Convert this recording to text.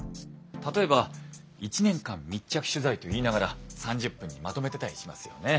例えば１年間密着取材と言いながら３０分にまとめてたりしますよね。